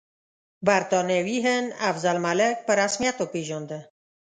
برټانوي هند افضل الملک په رسمیت وپېژانده.